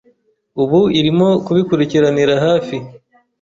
ubu irimo kubikurikiranira hafi